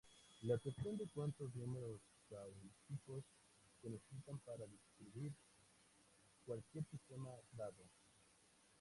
La cuestión de "¿cuántos números cuánticos se necesitan para describir cualquier sistema dado?